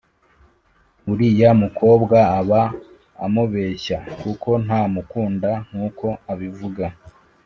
uriya mukobwa aba amubeshya kuko ntamukunda nkuko abivuga